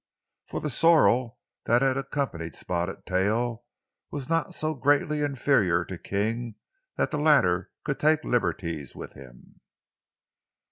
For the sorrel that had accompanied Spotted Tail was not so greatly inferior to King that the latter could take liberties with him.